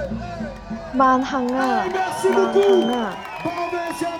萬幸呀！萬幸呀！